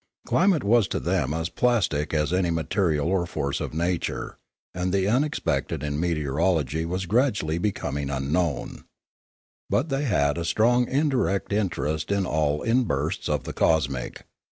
Climate was to them as plastic as any material or force of nature, and the unexpected in Discoveries 3*9 meteorology was gradually becoming unknown. But they had a strong indirect interest in all inbursts of the cosmic.